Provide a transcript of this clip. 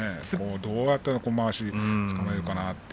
どうやったら、まわしがつかまえられるか。